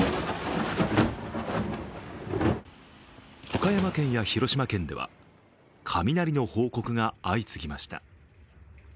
岡山県や広島県では雷の報告が相次ぎました。